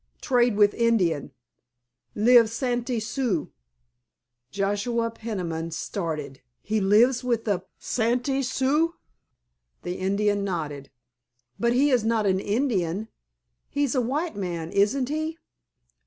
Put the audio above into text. Trade with Indian. Live Santee Sioux." Joshua Peniman started. "He lives with the Santee Sioux?" The Indian nodded. "But he is not an Indian, he's a white man, isn't he?"